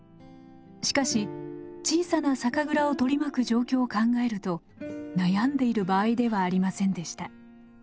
しかし小さな酒蔵を取り巻く状況を考えると悩んでいる場合ではありませんでした。